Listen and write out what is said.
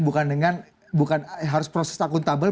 bukan dengan bukan harus proses akuntabel